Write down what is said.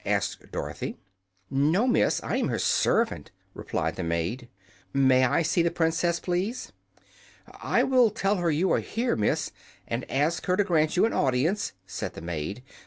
asked Dorothy. "No, miss; I am her servant," replied the maid. "May I see the Princess, please?" "I will tell her you are here, miss, and ask her to grant you an audience," said the maid.